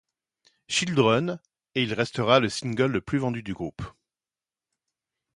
Children, et il restera le single le plus vendu du groupe.